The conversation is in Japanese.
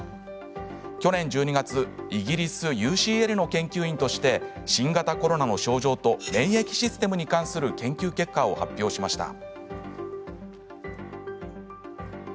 去年１２月イギリス、ＵＣＬの研究員として新型コロナの症状と免疫システムに関する研究結果を発表しました。